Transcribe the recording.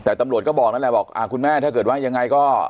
แต่ตำรวจก็บอกนั่นแหละบอกคุณแม่ถ้าเกิดว่ายังไงก็